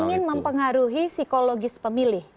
ingin mempengaruhi psikologis pemilih